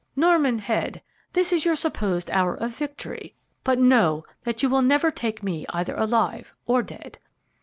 Norman Head, this is your supposed hour of victory, but know that you will never take me either alive or dead."